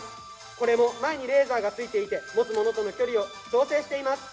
これも前にレーザーが付いていて持つものとの距離を調整しています。